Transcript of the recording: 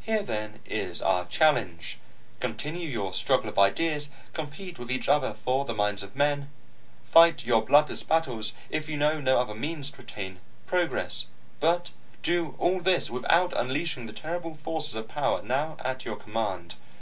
"Here, then, is our challenge. Continue your struggle of ideas, compete with each other for the minds of men, fight your bloodless battles, if you know no other means to attain progress. But do all this without unleashing the terrible forces of power now at your command.